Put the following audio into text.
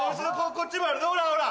こっちもあるぞほらほら！